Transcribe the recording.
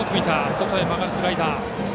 外へ曲がるスライダー。